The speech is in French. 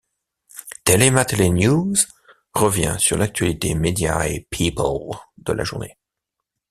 Telle est ma télé News revient sur l'actualité Medias et People de la journée.